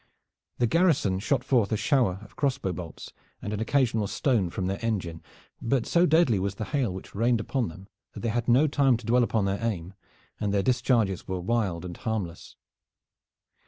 The garrison shot forth a shower of crossbow bolts and an occasional stone from their engine, but so deadly was the hail which rained upon them that they had no time to dwell upon their aim, and their discharges were wild and harmless.